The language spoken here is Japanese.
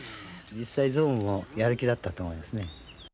実際、象もやる気だったと思いますね。